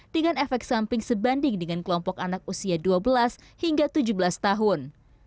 dengan efek samping sebanding dengan kelompok anak usia dua belas hingga tujuh belas tahun